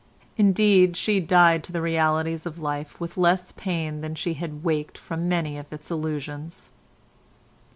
Indeed she died to the realities of life with less pain than she had waked from many of its illusions.